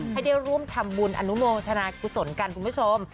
ให้ได้ร่วมทำบุญอนุโมทนากุศลกันคุณผู้ชม